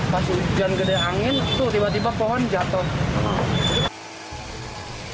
pas hujan gede angin tuh tiba tiba pohon jatuh